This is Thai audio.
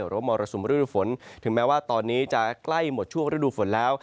มรสุมฤดูฝนถึงแม้ว่าตอนนี้จะใกล้หมดช่วงฤดูฝนแล้ว